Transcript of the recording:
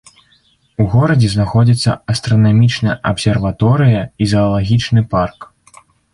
У горадзе знаходзіцца астранамічная абсерваторыя і заалагічны парк.